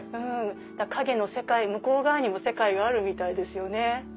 影の世界向こう側にも世界があるみたいですよね。